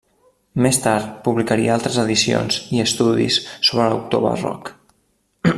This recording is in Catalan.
Més tard, publicaria altres edicions i estudis sobre l'autor barroc.